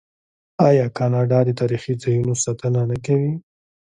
آیا کاناډا د تاریخي ځایونو ساتنه نه کوي؟